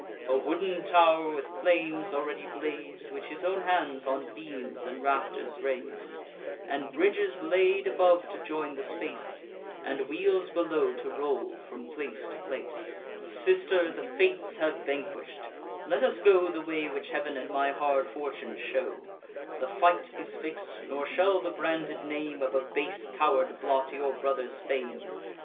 A wooden tow'r with flames already blaz'd, Which his own hands on beams and rafters rais'd; And bridges laid above to join the space, And wheels below to roll from place to place. "Sister, the Fates have vanquish'd: let us go The way which Heav'n and my hard fortune show. The fight is fix'd; nor shall the branded name Of a base coward blot your brother's fame.